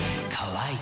かわいい。